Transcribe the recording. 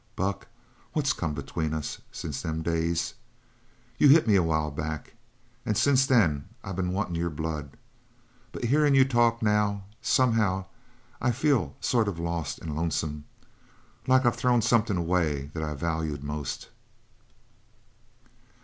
Buck, what's come between us since them days? You hit me a while back, and since then I been wantin' your blood but hearin' you talk now, somehow I feel sort of lost and lonesome like I'd thrown somethin' away that I valued most."